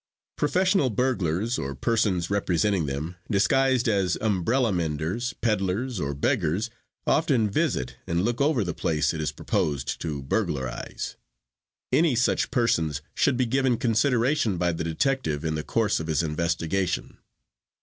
Professional burglars, or persons representing them, disguised as umbrella menders, peddlers or beggars, often visit and look over the place it is proposed to burglarize. Any such persons should be given consideration by the detective in the course of his investigation.